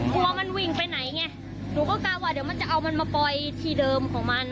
กลัวมันวิ่งไปไหนไงหนูก็กล้าว่าเดี๋ยวมันจะเอามันมาปล่อยที่เดิมของมัน